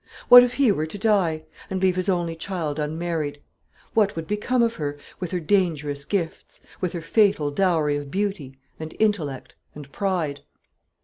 What if he were to die, and leave his only child unmarried? What would become of her, with her dangerous gifts, with her fatal dowry of beauty and intellect and pride?